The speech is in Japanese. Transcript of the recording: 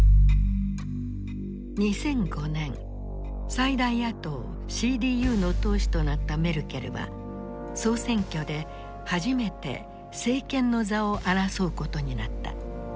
最大野党ＣＤＵの党首となったメルケルは総選挙で初めて政権の座を争うことになった。